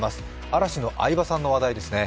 嵐の相葉さんの話題ですね。